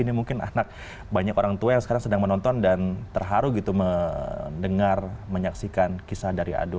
ini mungkin anak banyak orang tua yang sekarang sedang menonton dan terharu gitu mendengar menyaksikan kisah dari adu